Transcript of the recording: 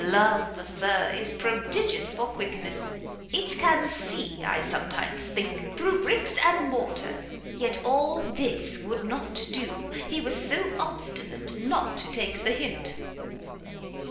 Love, Sir, is prodigious for quickness! it can see, I sometimes think, through bricks and mortar. Yet all this would not do, he was so obstinate not to take the hint!"